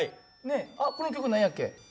あっこの曲何やっけ？